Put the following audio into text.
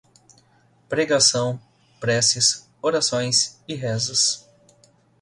Pregação, preces, orações e rezas